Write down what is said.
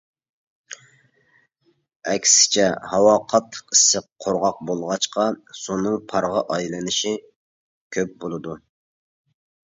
ئەكسىچە، ھاۋا قاتتىق ئىسسىق قۇرغاق بولغاچقا، سۇنىڭ پارغا ئايلىنىشى كۆپ بولىدۇ.